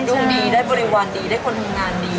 ดีได้บริวารดีได้คนทำงานดี